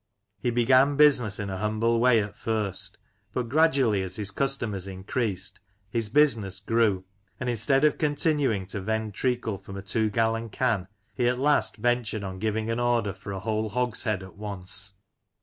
He began business in a humble way at first, but gradually as his customers increased, his business grew; and instead of continuing to vend treacle from a two gallon can, he at length ventured on giving an order for a 152 Lancashire Characters and Places, whole hogshead at once.